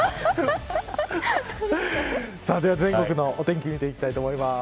では、全国のお天気見ていきたいと思います。